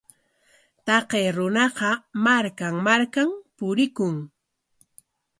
Taqay runaqa markan markanmi purikun.